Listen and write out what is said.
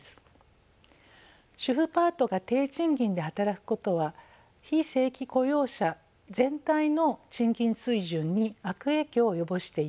主婦パートが低賃金で働くことは非正規雇用者全体の賃金水準に悪影響を及ぼしています。